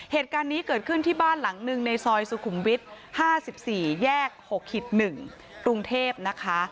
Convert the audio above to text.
เหตุการณ์นี้เกิดขึ้นที่บ้านหลังหนึ่งในซอยสุขุมวิทย์๕๔แยก๖๑กรุงเทพนะคะ